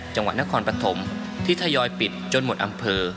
จังหวัดนครปฐมที่ทยอยปิดจนหมดอำเภอ